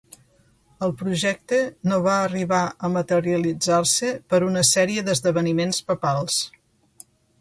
El projecte no va arribar a materialitzar-se per una sèrie d'esdeveniments papals.